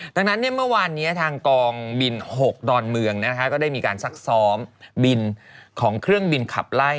ดังนั้นเมื่อวานนี้ทางกองบิน๖ดอนเมืองก็ได้มีการซักซ้อมบินของเครื่องบินขับไล่